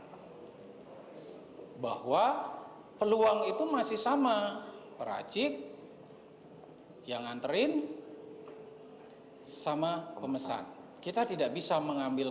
hai bahwa peluang itu masih sama racik hai yang nganterin sama pemesan kita tidak bisa mengambil